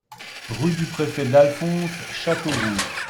Rue du Préfet Dalphonse, Châteauroux